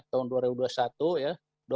tahun dua ribu dua puluh satu ya